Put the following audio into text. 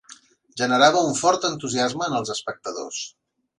Generava un fort entusiasme en els espectadors.